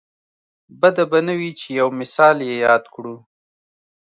بده به نه وي چې یو مثال یې یاد کړو.